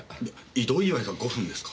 異動祝いが５分ですか。